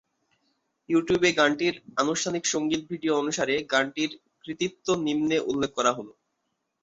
ইউটিউবে গানটির আনুষ্ঠানিক সঙ্গীত ভিডিও অনুসারে, গানটির কৃতিত্ব নিম্নে উল্লেখ করা হলো